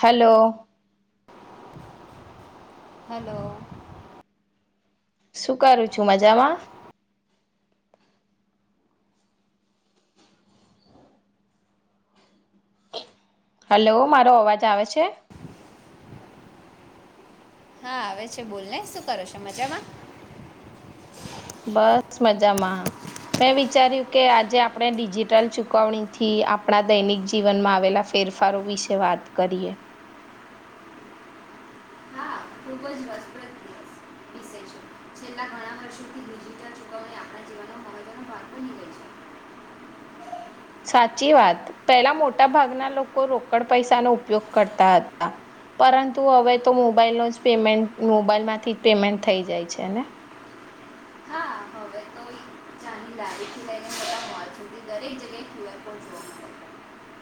Hello hello શું કરું છું મજામાં હલો મારો અવાજ આવે છે હા આવે છે બોલને શું કરો છો મજામાં બસ મજામાં મેં વિચાર્યું કે આજે આપણે ડિજિટલ ચુકવણીથી આપણા દૈનિક જીવનમાં આવેલા ફેરફારો વિશે વાત કરીએ ખુબ જ રસપ્રદ દિવસ વિષય છે છેલ્લા ઘણા વર્ષોથી વાતો નીે છે સાચી વાત પેલા મોટા ભાગના લોકો રોકડ પૈસાનોો ઉપયોગ કરતા હતા પરંતુ હવે તો મોબાઈલ ન જ પેમેન્ટ મોબાઈલ માંથી જ પેમેન્ટ થઈ જાય છે ને હા થી દરેક જગ્યાએ જોવા મળ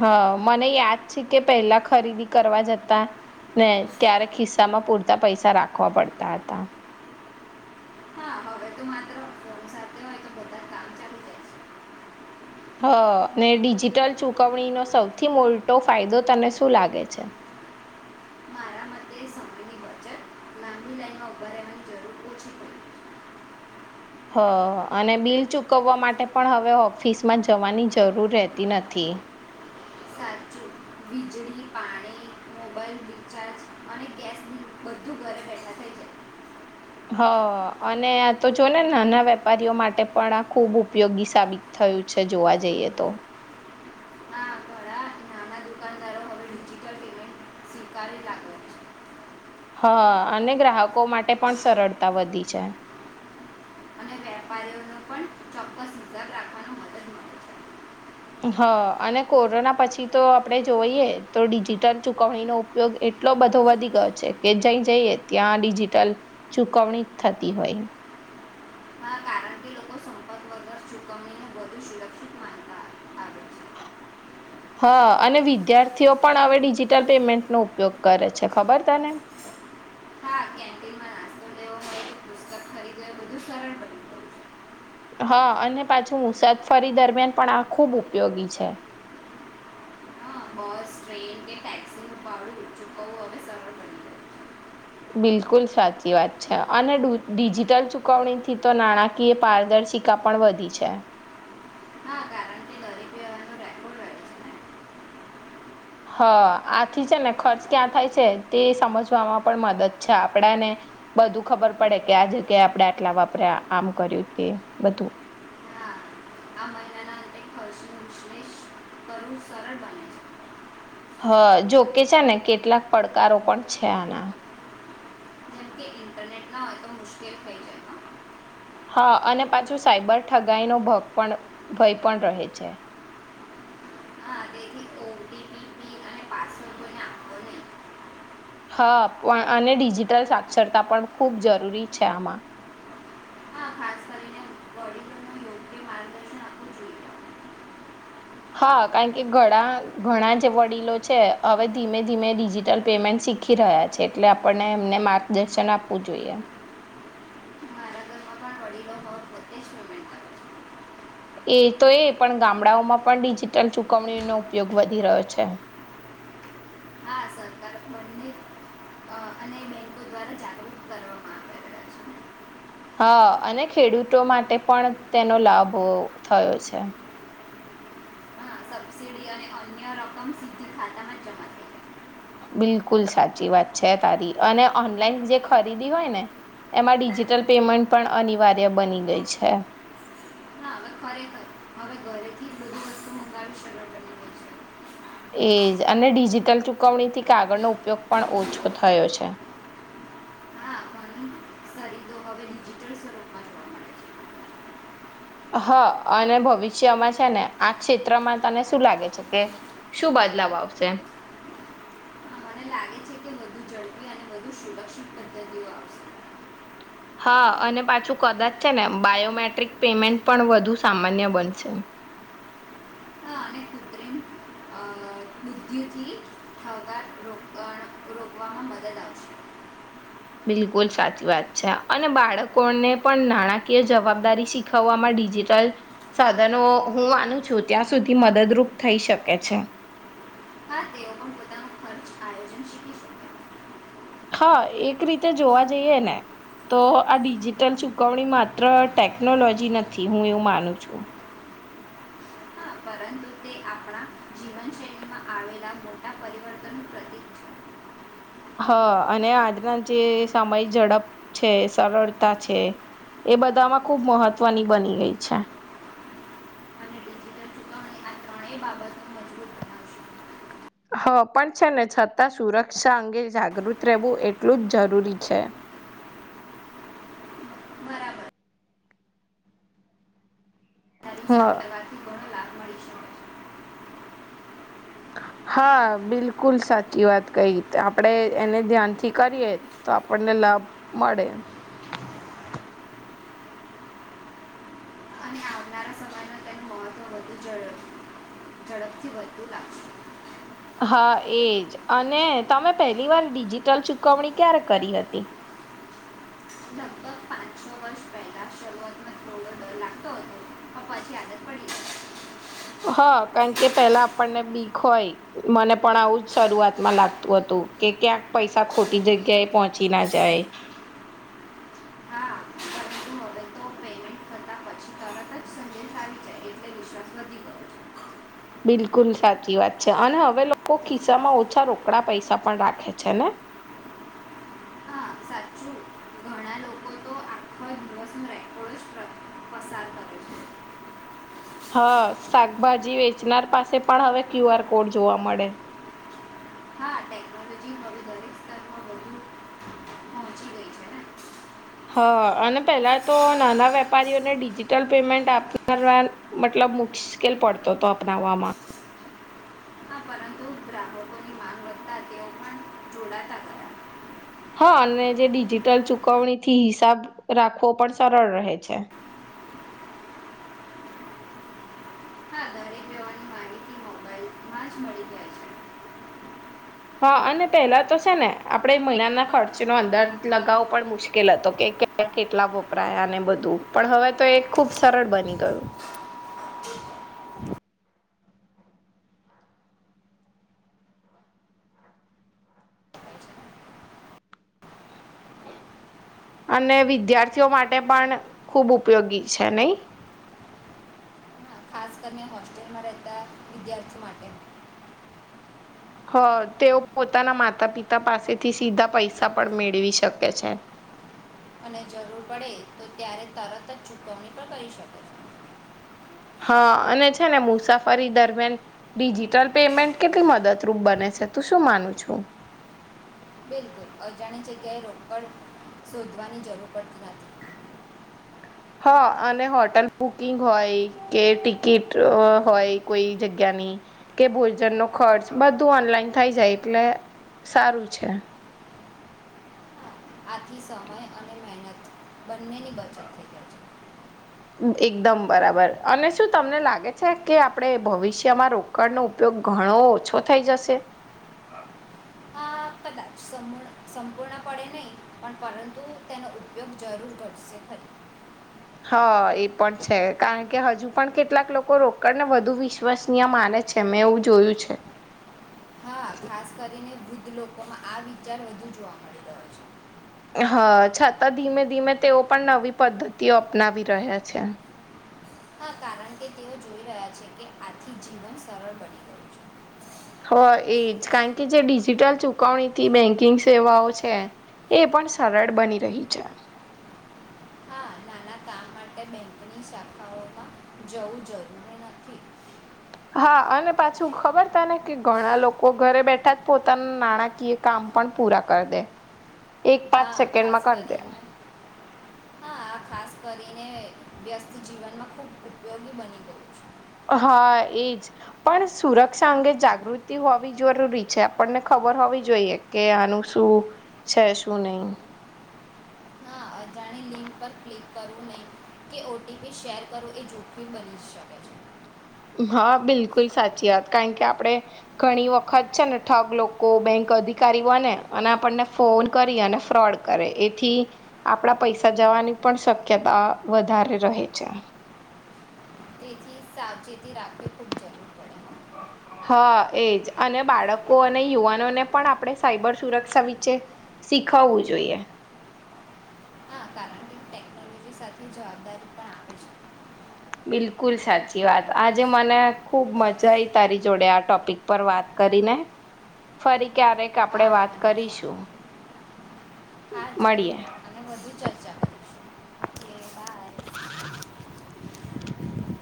હા મને યાદ છે કે પહેલા ખરીદી કરવા જતા ને ત્યારે ખિસ્સા માં પૂરતા પૈસા રાખવા પડતા હતા હા હવે તો માત્ર ફોન સાથે હોય તો બધા કામ ચાલુ જાય છે હ ને ડિજિટલ ચુકવણીનો સૌથી મોટો ફાયદો તને શું લાગે છે મારા મતે આ ઉંમરે હવે જરૂર ઓછી પડે છે હ અને બિલ ચુકવવા માટે પણ હવે ઓફિસમાં જવાની જરૂર રહેતી નથી વીજળી પાણી મોબાઈલ રીચાર્જ અને ગેસ બધું ઘરે બેઠા થઈ છે હ અને આ તો જો ને નાના વેપારીઓ માટે પણ આ ખૂબ ઉપયોગી સાબિત થયું છે જોવા જઈએ તો આ ઘણા નાના દુકાનદારો હવે ડિજિટલ પેમેન્ટ સ્વીકારી લાગો હા અને ગ્રાહકો માટે પણ સરળતા વધી છે વેપારીઓ ન પણ ચોક્કસ હિસાબ રાખવાનો મદદ મળે છે હા અને કોરોના પછી તો આપણે જોઈએ તો ડિજિટલ ચુકવણીનો ઉપયોગ એટલો બધો વધી ગયો છે કે જ જઈએ ત્યાં ડિજિટલ ચુકવણી જ થતી હોય કારણ કે લોકો સંપર્ક વગર ચૂકવણીને વધુ સુરક્ષિત માનતા આવે છે હા અને વિદ્યાર્થીઓ પણ હવે ડિજિટલ પેમેન્ટનોો ઉપયોગ કરે છે ખબર તને કેન્ટિન માં નાસ્તો ને ખા ખરી જ બધું સરળ બની ગયું છે હા અને પાછું મુસાદફરી દરમિયાન પણ આ ખૂબ ઉપયોગી છે હ બસ ને ટેક્સી નું ભાડું ચૂકવવું સરળ બન્યું છે બિલકુલ સાચી વાત છે અને ડિજિટલ ચુકવણીથી તો નાણાકીય પારદર્શિકા પણ વધી છે હા કારણ કે દરેક વ્યવહારનો રેકોર્ડ રહે છે ને હા આથી છે ને ખર્ચ ક્યાં થાય છે તે સમજવામાં પણ મદદ છે આપડાને બધું ખબર પડે કે આ જગ્યાએ આપણે આટલા વાપરા્યા આમ કર્યું તે બધું હશું વિશલેષ કરવું સરળ બને છે હા જોકે છેા ને કેટલાક પડકારો પણ છે આના છે જેમ કે ઇન્ટરનેટ ના હોય તો મુશ્કેલ થઈ જાય હા અને પાછું સાઈબર ઠગાઈ નો ભ પણ ભય પણ રહે છે ઓ ટી પી અને પાસવર્ડ કોઈને આપો નહી હા પણ અને ડિજિટલ સાક્ષરતા પણ ખૂબ જરૂરી છે આમાં હા ખાસ કરીને બડી ન યોગ્ય માર્ગદર્શન આપવું જોઈએ હા કારણ કે ઘણા ઘણા જે વડીલો છે હવે ધીમે ધીમે ડિજિટલ પેમેન્ટ શીખી રહ્યા છે એટલે આપણને એમને માર્ગદર્શન આપવું જોઈએ મારા ઘરમાં પણ વડીલો પણ પોતે જ પેમેન્ટ આપે છે એ તો એ પણ ગામડાઓમાં પણ ડિજિટલ ચુકવણીનો ઉપયોગ વધી રહ્યો છે છે હા સરકાર બને અને બેંકો દ્વારા જાગૃત કરવામાં આવે રહ્યા છે હા અને ખેડૂતો માટે પણ તેનો લાભ થયો છે હા સબસિડી અને અન્ય રકમ સીધી ખાતામાં જમા થઈ બિલકુલ સાચી વાત છે તારી અને ઓનલાઈન જે ખરીદી હોય ને એમાં ડિજિટલ પેમેન્ટ પણ અનિવાર્ય બની ગઈ છે હા હવે ખરેખર હવે ઘરેથી બધી વસ્તુ મંગાવી સરળ બની ગય છે. એજ અને ડિજિટલ ચુકવણીથી કાગળનો ઉપયોગ પણ ઓછો થયો છે. તો હવે ડિજિટલ સ્વરૂપમાં જોવા મળે છે. હા અને ભવિષ્યમાં છે ને આ ક્ષેત્રમાં તને શું લાગે છે કે શું બદલાવ આવશે હા, મને લાગે છે કે વધુ ઝડપી અને વધુ સુરક્ષિત પદ્ધતિઓ આવશે હા અને પાછું કદાચ છે ને બાયોમેટ્રિક પેમેન્ટ પણ વધુ સામાન્ય બનશે અને કૃત્રિમ અ બુદ્વિથી થતા રોકણ રોકવામાં મદદ આવશે બિલકુલ સાચી વાત છે અને બાળકોને પણ નાણાકીય જવાબદારી શીખવવામાં ડિજિટલ સાધનો હું માનું છું ત્યાં સુધી મદદરૂપ થઈ શકે છે. હા તેઓ પણ પોતાનું ખર્ચ આયોજન શીખી શકે હા એક રીતે જોવા જઈએ ને તો આ ડિજિટલ ચુકવણી માત્ર ટેકનોલોજી નથી હું એવું માનું છું. હા પરંતુ તે આપણા જીવનશૈલીમાં આવેલા મોટા પરિવર્તનનું પ્રતીક છે. હા અને આજના જે સમય ઝડપ છે સરળતા છે એ બધામાં ખુબ મહત્વની બની ગઈ છે. અને ડિજિટલ ચૂકવણી આ ત્રણેય બાબત મજબૂત બનાવશે હ પણ છે ને છતાં સુરક્ષા અંગે જાગૃત રહેવું એટલું જ જરૂરી છે. બરાબર તારી સાથે હા કરવાથી ઘણો લાભ મળી શકે છે હા બિલકુલ સાચી વાત કહી આપડે એને ધ્યાનથી કરીએ તો આપણને લાભ મળે અને આવનારા સમયમાં તેનું મહત્ત્વ વધુપ ઝડપથી વધુ લાગશે હા એજ અને તમે પહેલી વાર ડિજિટલ ચુકવણી ક્યારે કરી હતી લગભગ પાંચ છ વર્ષ પહેલાં શરૂઆતમાં થોડો ડર લાગતો હતો પણ પછી આદત પડી ગઈ હા કારણ કે પેલા આપણને બીક હોય મને પણ આવું જ શરૂઆતમાં લાગતું હતું કે ક્યાંક પૈસા ખોટી જગ્યા એ પહોંચી ના જાય હા પરંતુ હવે તો પેમેન્ટ કરતાં પછી તરત જ સંદેશ આવી જાય એટલે વિશ્વાસ વધી ગયો બિલકુલ સાચી વાત છે અને હવે લોકો ખિસ્સામાં ઓછા રોકડા પૈસા પણ રાખે છે ને હા સાચું ઘણા લોકો તો આખો દિવસનો રેકોર્ડ જ પ્ર- પસાર કરે છે હા શાકભાજી વેચનાર પાસે પણ હવે ક્યુ આર કોડ જોવા મળે હા ટેકનોલોજી હવે દરેક સ્તરમાં બધું હા અને પેલા તો નાના વેપારીઓને ડિજિટલ પેમેન્ટ આપનારવા મતલબ મુશ્કેલ પડતો હતો અપનાવવામાં હા પરંતુ ગ્રાહકોની માંગ વધતા તેઓ પણ જોડાતા ખરા હા અને જે ડિજિટલ ચુકવણીથી હિસાબ રાખવો પણ સરળ રહે છે. હા આજ મળી જાય છે. હ અને પેલા તો છે ને આપણે મહિનાના ખર્ચનો અંદાજ લગાવો પણ મુશ્કેલ હતો કે કેટલા વપરાયાને બધું પણ હવે તો એ ખુબ સરળ બની ગયું. અને વિદ્યાર્થીઓ માટે પણ ખુબ ઉપયોગી છે નઈ હા ખાસ કરીને હોસ્ટેલમાં રહેતા વિદ્યાર્થીઓ માટે હ તેઓ પોતાના માતા પિતા પાસેથી સીધા પૈસા પણ મેળવી શકે છે. અને જરૂર પડે તો ત્યારે તરત જ ચુકવણી પણ કરી શકે છે. હા અને છે ને મુસાફરી દરમિયાન ડિજિટલ પેમેન્ટ કેટલી મદદરૂપ બને છે તું શું માનું છું. બિલકુલ અજાણી જગ્યાએ રોકડ શોધવાની જરૂર પડતી નથી. હા અને હોટલ બુકિંગ હોય કે ટિકિટ હોય કોઈ જગ્યાની કે ભોજનનો ખર્ચ બધું ઓનલાઈન થઈ જાય એટલે સારું છે. આથી સમય અને મહેનત બંનેની બચત થઈ જાય છે. એકદમ બરાબર અને શું તમને લાગે છે કે આપણેે ભવિષ્યમાં રોકડનો ઉપયોગ ઘણો ઓછો થઇ જશે આ કદાચ સમૂળ સંપૂર્ણ પડે નહી પણ પરંતુ તેનો ઉપયોગ જરૂર કરશે ખરી હા એ પણ છે કારણ કે હજુ પણ કેટલાક લોકો રોકડને વધુ વિશ્વસનીય માને છે મેં એવું જોયું છે. હા ખાસ કરીને વુદ્ધ લોકોમાં આ વિચાર વધુ જોવા મળી રહ્યો છે. હા છતાં ધીમે ધીમે તેઓ પણ નવી પદ્ધતિઓ અપનાવી રહ્યા છે. હા કારણ કે તેઓ જોઈ રહ્યા છે કે આથી જીવન સરળ બની ગયું છે. હ એ જ કારણ કે જે ડિજિટલ ચુકવણીથી બેન્કિંગ સેવાઓ છે એ પણ સરળ બની રહી છે. આ માટે બેંકની શાખાઓમાં જવું જરૂરી નથી. હા અને પાછું ખબર તને કે ઘણા લોકો ઘરે બેઠા જ પોતાના નાણાકીય કામ પણ પૂરા કરી દે એક પાંચ હા ખાસ સેકન્ડમાં કરી દે કરીને હા આ ખાસ કરીને વ્યસ્ત જીવનમાં ખૂબ ઉપયોગી બની ગયુ છે. હા એજ પણ સુરક્ષા અંગે જાગૃતિ હોવી જરૂરી છે આપણને ખબર હોવી જોઈએ કે આનું શું છે શું નય હા અજાણી લિંક પર ક્લિક કરવું નહીં કે ઓટીપી શેર કરો એ જોખિમ બની શકે છે. હા બિલકુલ સાચી વાત કારણ કે આપડે ઘણી વખત છે ને ઠગ લોકો બેંક અધિકારીઓને અને આપણને ફોન કરી અને ફ્રોડ કરે એથી આપણા પૈસા જવાની પણ શક્યતા વધારે રહે છે. તેથી સાવચેત રાખવી ખૂબ જરૂર પડે હા એજ અને બાળકો અને યુવાનોને પણ આપણે સાઈબર સુરક્ષા વિચે શીખવવું જોઈએ હા કારણ કે ટેકનોલોજી સાથે જવાબદારી પણ આવે છે બિલકુલ સાચી વાત આજે મને ખુબ મજા આઈ તારી જોડે આ ટોપિક પર વાત કરીને ફરી ક્યારેક હા આપણેે વાત મને પણ કરીશું હા જરૂર મળીએ. અને વધુ ચર્ચા કરીશું ઓકે બાય [inaudible]